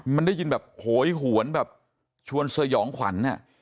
มันได้ยินแบบโหยหวนแบบชวนสยองขวัญ